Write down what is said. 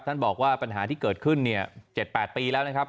ท่านบอกว่าปัญหาที่เกิดขึ้นเนี่ย๗๘ปีแล้วนะครับ